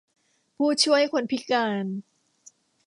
ผู้ช่วยคนพิการ